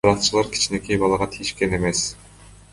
Каракчылар кичинекей балага тийишкен эмес.